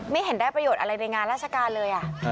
เห็นได้ประโยชน์อะไรในงานราชการเลย